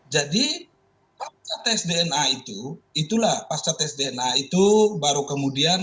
jadi pasca tes dna itu itulah pasca tes dna itu baru kemudian